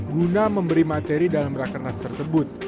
guna memberi materi dalam rakernas tersebut